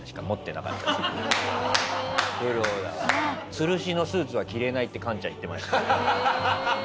「吊るしのスーツは着れない」って神ちゃん言ってました。